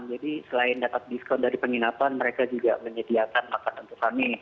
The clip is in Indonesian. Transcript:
jadi selain dapat diskon dari penginapan mereka juga menyediakan makan untuk kami